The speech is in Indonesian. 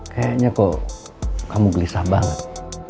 kayaknya kok kamu gelisah banget